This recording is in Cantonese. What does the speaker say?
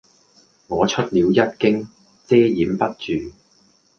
我出了一驚，遮掩不住；